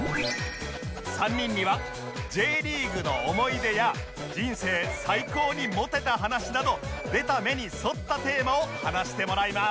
３人には「Ｊ リーグの思い出」や「人生最高にモテた話」など出た目に沿ったテーマを話してもらいます